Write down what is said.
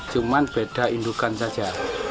cuma beda indukan saja